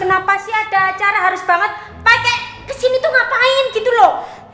kenapa sih ada cara harus banget pakai kesini tuh ngapain gitu loh